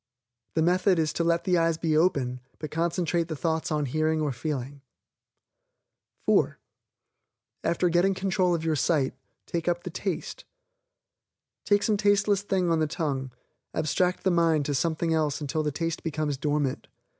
The method is to let the eyes be open, but concentrate the thoughts on hearing or feeling. (4) After getting control of your sight, take up the TASTE. Take some tasteless thing on the tongue, abstract the mind to something else until the taste becomes dormant.